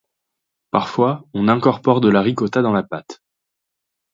Parfois, on incorpore de la ricotta dans la pâte.